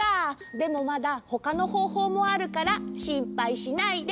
でもまだほかのほうほうもあるからしんぱいしないで！